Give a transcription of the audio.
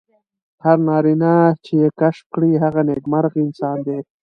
هر نارینه چې یې کشف کړي هغه نېکمرغه انسان دی.